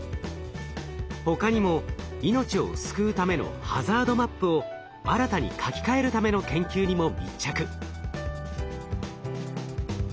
他にも命を救うためのハザードマップを新たに書き換えるための研究にも密着。